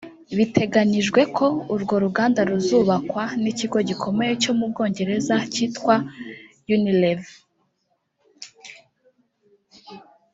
Biteganyijwe ko urwo ruganda ruzubakwa n’ikigo gikomeye cyo mu Bwongereza cyitwa Unilever